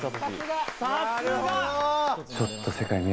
さっすが！